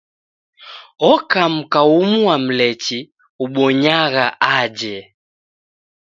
Oka mka umu wa Mlechi ubonyagha aje.